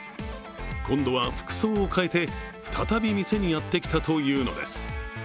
今度は服装を変えて、再び店にやってきたというのです。